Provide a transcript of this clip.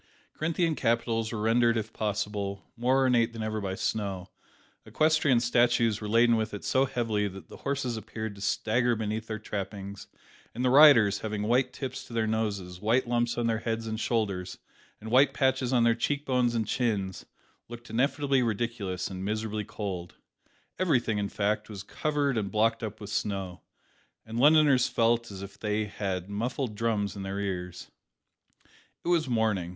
Corinthian capitals were rendered, if possible, more ornate than ever by snow; equestrian statues were laden with it so heavily, that the horses appeared to stagger beneath their trappings and the riders, having white tips to their noses, white lumps on their heads and shoulders, and white patches on their cheek bones and chins, looked ineffably ridiculous, and miserably cold. Everything, in fact, was covered and blocked up with snow, and Londoners felt as if they had muffled drums in their ears. It was morning.